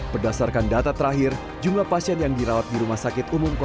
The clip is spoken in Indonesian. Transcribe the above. berdasarkan data terakhir jumlah pasien yang berdarah di tangerang selatan banten terus meningkat